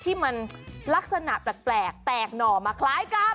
ที่มันลักษณะแปลกแตกหน่อมาคล้ายกัน